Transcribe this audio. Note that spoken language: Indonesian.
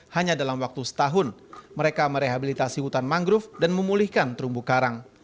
hanya dalam waktu setahun mereka merehabilitasi hutan mangrove dan memulihkan terumbu karang